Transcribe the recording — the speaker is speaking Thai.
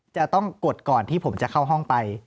จะต้องกดก่อนที่ผมจะเข้าห้องไป